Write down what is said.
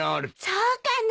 そうかなあ？